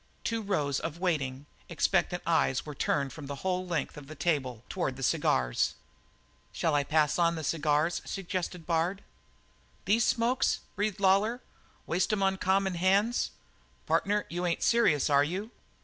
Two rows of waiting, expectant eyes were turned from the whole length, of the table, toward the cigars. "Shall I pass on the cigars?" suggested Bard. "These smokes?" breathed Lawlor. "Waste 'em on common hands? Partner, you ain't serious, are you?"